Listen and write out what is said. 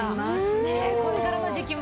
ねえこれからの時期も。